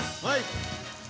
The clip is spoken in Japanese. はい！